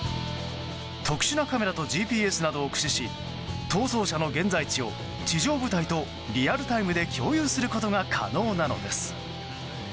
特殊なカメラとＧＰＳなどを駆使し逃走車の現在地を地上部隊とリアルタイムで共有することが可能なのです。